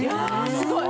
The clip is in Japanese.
すごい！